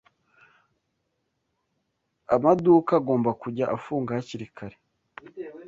Amaduka agomba kujya afunga hakiri kare